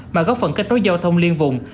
mà góp phần kết nối giao thông liên vùng